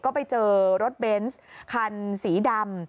ก็ไปเจอรถเบนส์คันสีดำ